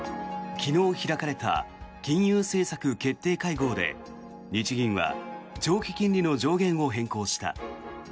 昨日開かれた金融政策決定会合で日銀は長期金利の上限を変更した。